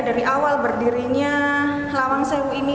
dari awal berdirinya lawang sewu ini